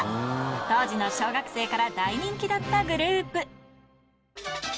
当時の小学生から大人気だったグループ。